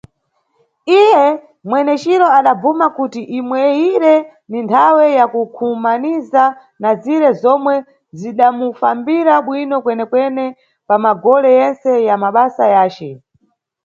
Iye mweneciro adabvuma kuti imweyire ni nthawe ya kukhumaniza na zire zomwe zidamufambira bwino kwenekwene pa magole yentse ya mabasa yace.